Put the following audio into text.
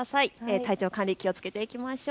体調管理、気をつけていきましょう。